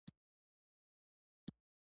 د ونې تنه ولې په خټو لمدوم؟